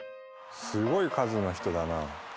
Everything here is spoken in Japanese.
すごい数の人だな。